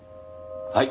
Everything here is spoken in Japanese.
はい。